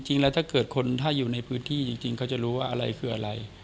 ถ้าเกิดคนถ้าอยู่ในพื้นที่จริงเขาจะรู้ว่าอะไรคืออะไร